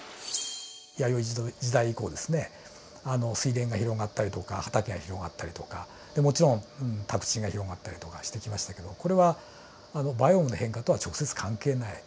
弥生時代以降ですね水田が広がったりとか畑が広がったりとかでもちろん宅地が広がったりとかしてきましたけどこれはバイオームの変化とは直接関係ない。